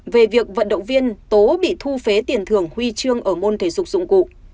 về việc vận động viên tố bị thu phí tiền thưởng huy chương ở môn thể dục dụng cụ